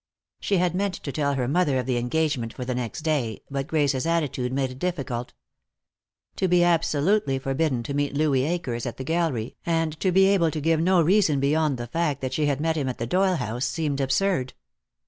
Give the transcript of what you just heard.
She had meant to tell her mother of the engagement for the next day, but Grace's attitude made it difficult. To be absolutely forbidden to meet Louis Akers at the gallery, and to be able to give no reason beyond the fact that she had met him at the Doyle house, seemed absurd.